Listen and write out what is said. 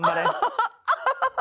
アハハハ！